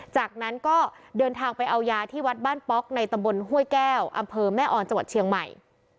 จากนั้นก็เดินทางไปเอายาที่วัดบ้านป๊อกในตำบลห้วยแก้วอำเภอแม่ออนจังหวัดเชียงใหม่